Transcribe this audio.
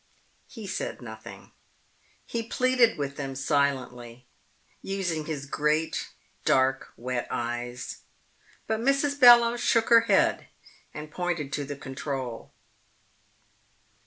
He said nothing. He pleaded with them silently, using his great, dark, wet eyes, but Mrs. Bellowes shook her head and pointed to the control.